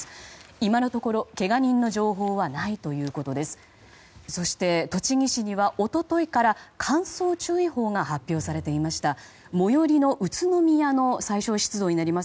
今のところけが人の情報はないということです。